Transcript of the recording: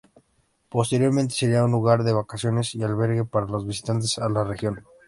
Posteriormente sería un lugar de vacaciones y albergue para los visitantes a la región.